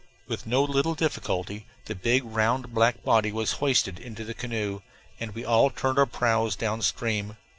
With no little difficulty the big, round black body was hoisted into the canoe, and we all turned our prows down stream.